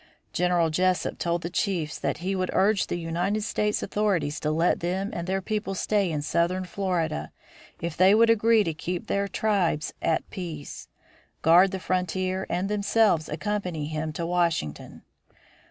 General Jesup told the chiefs that he would urge the United States authorities to let them and their people stay in southern Florida if they would agree to keep their tribes at peace, guard the frontier, and themselves accompany him to Washington.